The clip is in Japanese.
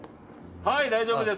はい、大丈夫です。